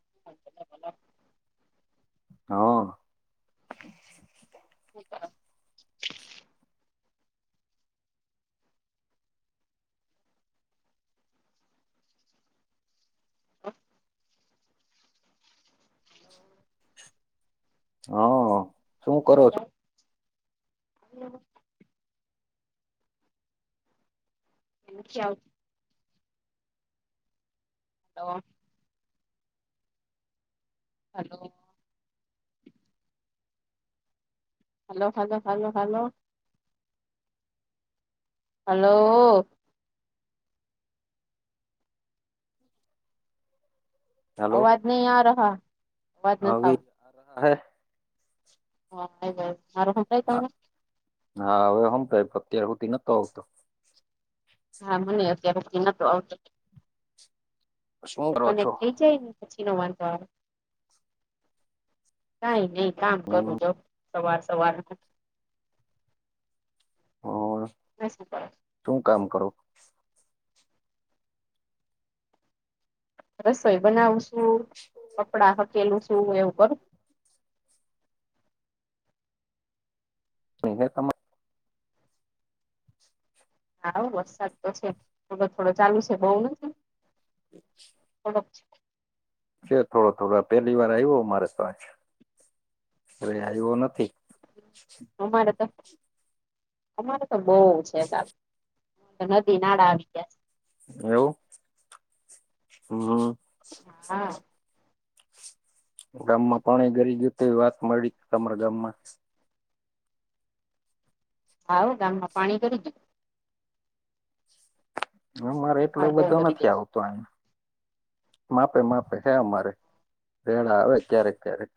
[inaudible] હઅ [inaudible] [inaudible] હઓ! - શું કરો છો? [inaudible] [inaudible] Hello hello hello hello hello hello આવાજ નહીં આ રહા. અવાજ નથી આવતો આવી- હ હૈ [inaudible] હા હવે હંભળાયા પર અત્યાર સુધી ન તો આવતો હા મને અત્યારે સુધી નતો શું કરો આવતો-પણ એક છો થઈ જાય ને પછી નો વાંધો આવે-કંઈ નહી કામ કરું જો. સવાર સવાર હ બેસવુ પડે. તું કામ કરો. રસોઈ બનાવું છું. કપડા હકેલું શું એવું કરું ત [inaudible] હાઓ! વરસાદ પડશે. થોડો થોડો ચાલુ છે બહુ નથી. [inaudible] [inaudible] છે થોડો થોડો પેલી વાર આવ્યો મારે તો આજ પેલા આવ્યો નથી. [inaudible] હ માર હતા. અમારે તો બહુ છે ચાલ નદી નાળા આવી ગયા. એવું. હમ [inaudible] હા ગામ માં પણી ગરી ગયું તો એવી વાત મળી તમારા ગામ માં હાઓ! ગામમાં પાણી ગરી ગ્યું. અમારે એટલો બધો બહુ ગરી નથી જાય આવતો. [unintelligible] માપે માપે હે અમારે રેડા આવે ક્યારેક ક્યારેક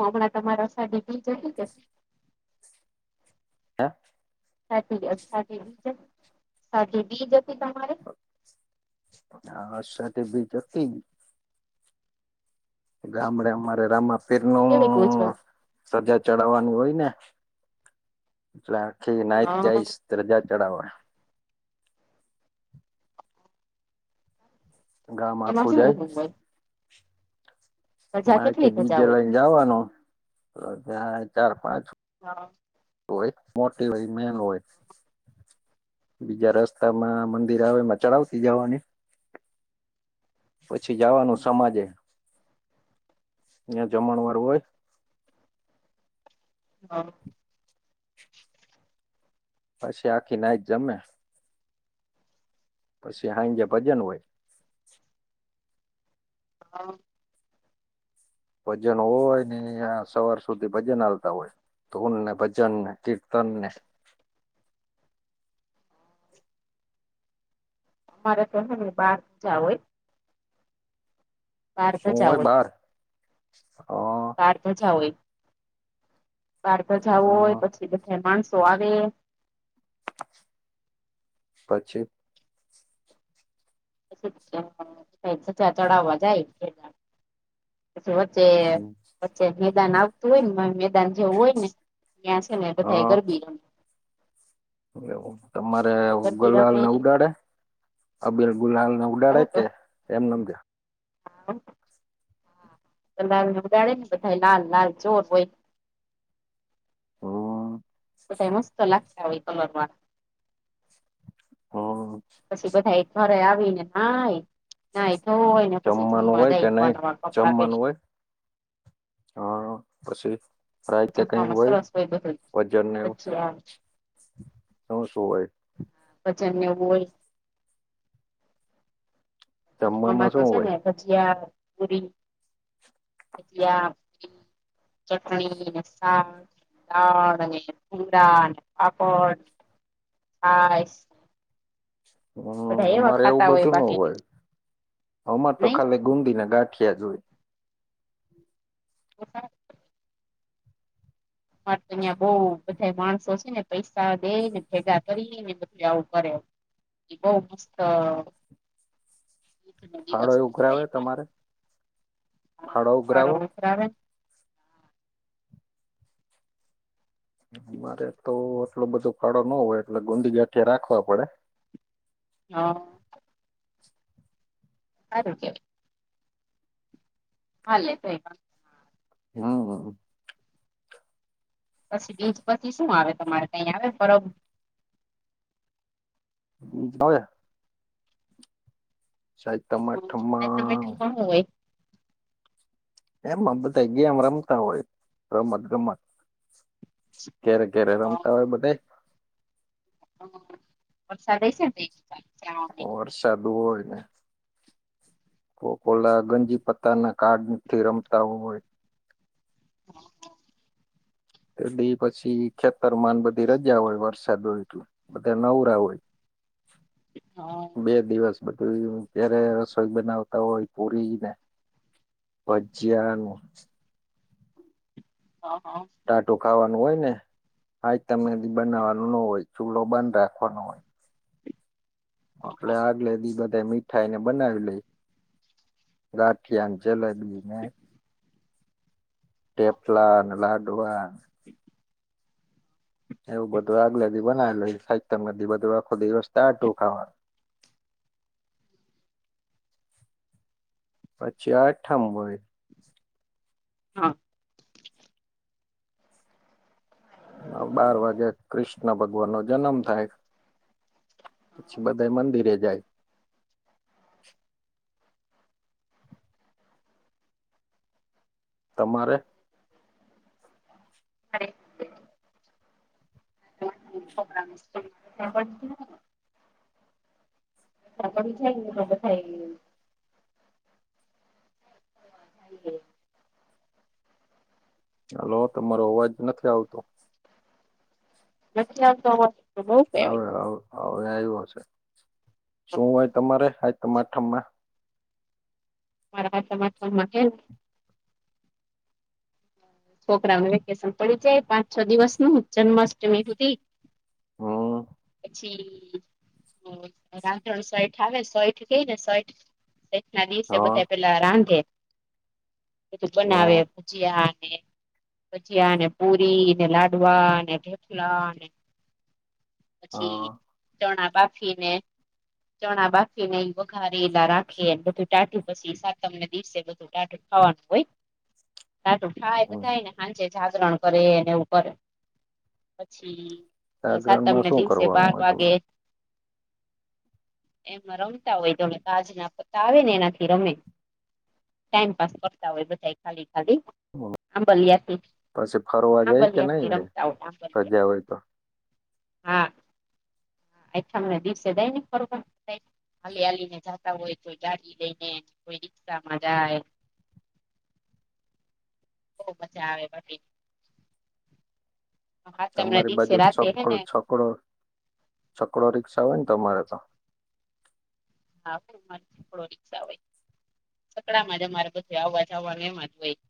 હમણાં તમારા સાથે ટીચર શું કહે છે. હા સાચી વાત સાચી વાત છે સાચી બીજ હતી તમારે અને આ અષાઢી બીજ હતી. ગામડે અમારે રામપીર નું કેવી કોચ સજા ચડાવવાનું હોય ને એટલે આખી નાઈ હા જઈશ. ધજા ચઢાવાય ગામ એમાં આખું શું જાય. શું હોય ધજા માથે કેટલી ડી ધજા જે હોય લઈને જાવાનો, [unintelligible] ચાર-પાંચ. હા. હોય, મોટી હોય ઈ મેન હોય. બીજા રસ્તામાં મંદિર આવે એમાં ચડાવતી જવાની. પછી જાવાનું સમાજે, ન્યાં જમણવાર હોય. હા. પછી આખી નાઈત જમે. પછી હાંજે ભજન હોય. હા. ભજન હોય ને આ સવાર સુધી ભજન હાલતા હોય. ધૂન ને, ભજન ને, કીર્તન ને. અમારે તો હે ને [unintelligible] હોય. બાર શું ધજા હોય બાર? હા. બાર ધજા હોય. બાર ધજા હ હોય પછી, બધા માણસો આવે. પછી? [inaudible] ધજા ચઢાવવા જાય [inaudible] પછી વચ્ચે-વચ્ચે મેદાન આવતું હોય ને [unintelligible] દાન જેવું હોય ને ન્યાં છે ને બધાઈ હા ગરબી રમે. એવું. તમારે ગરબી ગુલાલ રમે ને ઉડાડે? અબિલ ગુલાલ ને ઉડાડે કે? એમમજ. હા. ગુલાલ ને ઉડાડે, ને બધાઈ લાલ-લાલ ચોર હોય. હમ બધાઈ મસ્ત લાગશ તા હોય કલરમાં. હા. પછી બધાઈ ઘરે આવી ને નાહી, નાહી ધોઈન ને પછી જમવાનું જમવા હોય જાય કે નહી નવા-નવા કપડાં જમવાનું પહેરીન. હોય હા. પછી? રાઈતે કાંઈ જમવામાં હોય? સરસ બધું ભજન ને એવું? ભજીયા શું-શું હોય? ભજન ને એવું હોય. જમવામાં તો શું છે હોય ને, ભજીયા, પુરી [unintelligible] ચટણી ને શાક. દાળ અને કુંડા ને, પાપડ ને, છાઈશ. હમ્મ. અમારે એવું ખાતા બધું નો બાકી હોય. અમાર તો નહી ખાલી ગુંદી ના ગાંઠિયા જ હોય. [inaudible] અમારે તો યા બઉ બધાઈ માણસો છે ને, પૈસા દેઈને ભેગા કરીને, બધુંઈ આવું કરે. ઈ બોવ મસ્ત [unintelligible] ફાળો દિવસ એ ઉઘરાવે ઉજવાય અમારો. તમારે ફાળો હા ઉઘરાવો અમારો [unintelligible] અમારે તો આટલો બધો ફાળો નો હોય, એટલે ગુંંદી ગાંઠિયા રાખવા પડે. હા. હારું કહેવાય. હાલે [unintelligible] હા, હ. પછી બીજ પછી શું આવે, તમારે કંઈ આવે, બરોબર. હ. સાહે આજ તો મીઠું તમાઠમાં. પણ હું હોય. એમમાં બધા ગમત-રમતા હોય, રમત-ગમત. ક્યારે, ક્યારે રમતા હોય બધા. હ, વર્સાદ હઈ છેમ [unintelligible] ઓર, સાદુ હોયને. કોલા ગંજી પત્તા ના, કારાડથી રમતા હોય. બી પછી ખેતરમાં બધી રજા હોય, વરસાદ હોય તો, બધા નવરા હોય. [unintelligible] હા. બે દિવસ બધું ત્યારે રસોઈ બનાવતા હોય, પૂરી ને. પજ્યાનું. હા, હા. ટાટું ખાવાનું હોય ને, હાજ તમને બનાવવાનું ન હોય, ચૂલો બંધ રાખવાનો હોય. એટલે આગલે બધા મીઠાઈ ને લઈ, ગાંઠિયાનુ છેલ્લે એ મે. ટટેફલાન, લાડુઆ. એવું બધું આગલે બ બનાવેલું, સાઈ બધી બધું આખો, દ રસ્તાતું ખાવાનું. પછી આ થંબઈ. હા. બાર વાગે, કૃષ્ણ ભગવાન નો જન્મ થાય. પછી બધા મંદિરે જાય. તમારે. હરે [unintelligible] [unintelligible] શકળી ખાય રગ થાય [unintelligible] હ‌ કરે [unintelligible] હલો, તમારો અવાજ નથી આવતો. લખ્યા તો. બઉ હ, કેવાય. હવે આવ્યો છે, શું હોય તમારે? સાતમ-આઠમમાં મારા સાતમ-આઠમમાં કેમ છોકરાને વેકેશન પડી જાય, પાંચ-છ દિવસ નું જન્માષ્ટમી સુધી હમ પછી રાધણ સઠ આવે સઠ કેય સઠ ને સઠ [unintelligible] ના દિવસે હા બધા પેલા રાંધે બધું હ બનાવે, ભુજીયાને. ભજીયા ને, પુરીને, લાડવા અને થેપલાને પછી હા ચણા બાફી ને ચણા બાફીને, વઘારે એલા રાખી બધું ટાઢ્યું, પછી સાતમને દિવસે બધું ટાઢુ ખાવાનું હોઈ [unintelligible] ટાઢુ ખાય બધાયને હાંજે જાગરણ કરે, એવું કરે પછી જાગરણમાં સાતમને શું દિવસે કરવાનું બાર હોય તમે વાગે એમાં રમતા હોય, તોને કાજ ના પતા આવે ને, એનાથી રમે. ટાઈમ પાસ કરતા હોય, બધા ખાલી ખાલી આંબલિયાથી પછી આંબલિયાથી રમતા હોય. [unintelligible] ગયા હોય, તો હા. આઠમના દિવસે દઈ ને, ખ હાલી હાલીને જતા હોય, કોઈ ગાડી લઈને, કોઈ રિક્ષા માં જાય. [inaudible] બોવ મજા આવે, પછી હાતમના દિવસે રાતે હે ને. પણ છકડો રિક્ષા આવે ને, તમારે તો હા, પણ અરેડો રીક્ષા હોય, સકડામાં જ અરે બધું આવવા જવાવા જ હોય.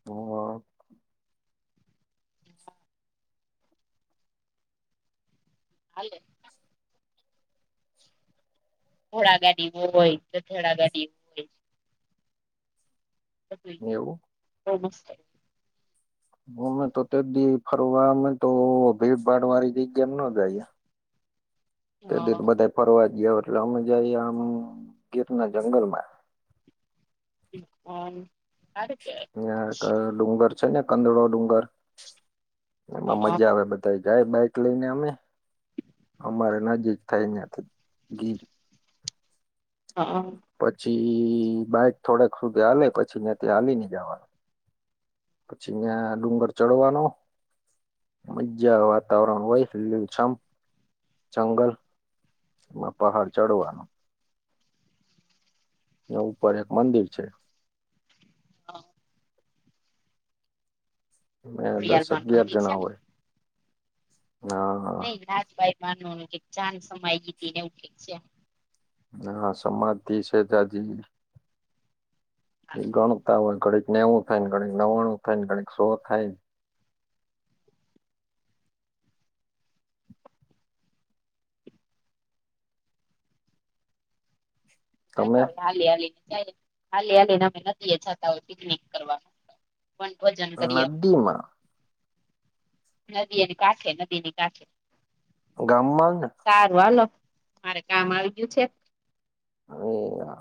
હ. હાલે. ઘોળા ગાડીગય ગધેડા ગાડી હોય નવુ. ઓમસ્ છે્ [unintelligible] અમે તો તે દી ફરવા, અમે તો ભીડભાડ વાળી જગ્યા મા ન જાયએ. તે દી બધા ફરવા ગયા, એટલે અમે જઈએ આમ ગીર ના જંગલ માં ઓ [unintelligible] અયા ડુંગર છે ને, કંદળો ડુંગર એમાં મજા આવે, બધા જાય બાઈક લઈને, અમે અમારે નજીક થાય, ન્યાથી ગીર હા, હ. પછી બાઈક થોડાક સુધી આલે પછી ને, ત્યાંથી હાલી ન જવાનું. પછી ન્યા ડુંગર ચડવાનો. મજજા વાતાવરણ હોય, લીલુછમ જંગલ. ના પહાડ ચડવાનો. એ ઉપર એક મંદિર છે. હા. મે ખોડિયાર દસ અગિયાર મંદિર છે જણા ને હોય, હા. રાજભાઈ માનવાનું સમાય ગી હતી ને, એવું કઈક છે. હા, સમાધિ છે ત્યાં જી. એ ગણતા હોય, ઘણક નેવું થાય ને, ઘણું નવણું થાય ને, કક સો થાય. તમે હાલી હાલીને, હાલી હલીને, અમે નથીએ જતા હોય, પિકનિક કરવા. પણ ભજન કરી. નદીમાં નદી એની કાચ નદીની કા છે. ગામમાં. સારું, હાલો, મારે કામ આવી ગયું છે. એ હા.